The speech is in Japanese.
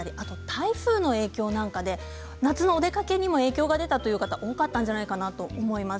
台風の影響で夏のお出かけにも影響が出たという方多かったんじゃないかと思います。